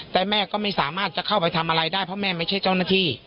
แต่แม่ก็ไม่สามารถจะเข้าไปทำอะไรได้เพราะแม่ไม่ใช่เจ้าหน้าที่